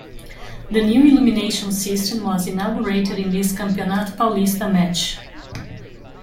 The new illumination system was inaugurated in this Campeonato Paulista match.